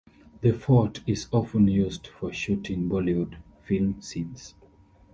The fort is often used for shooting Bollywood film scenes.